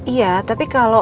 iya tapi kalau